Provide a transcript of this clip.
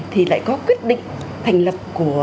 thì lại có quyết định thành lập của